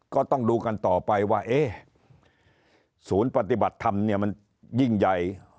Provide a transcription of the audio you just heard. ก็ต้องดูกันต่อไปว่าเอ๊ะศูนย์ปฏิบัติธรรมเนี่ยมันยิ่งใหญ่